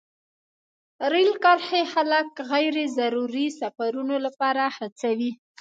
رېل کرښې خلک غیر ضروري سفرونو لپاره هڅوي.